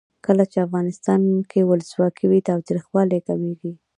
کله چې افغانستان کې ولسواکي وي تاوتریخوالی کمیږي.